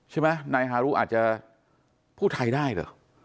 ใช่ไหมนายฮารุอาจจะพูดไทยได้เหรอ